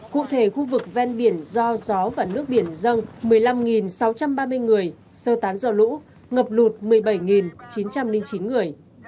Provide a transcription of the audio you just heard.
cụ thể khu vực ven biển do gió và nước biển dâng một mươi năm sáu trăm ba mươi người sơ tán do lũ ngập lụt một mươi bảy chín trăm linh chín người